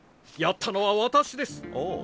やったのは私です。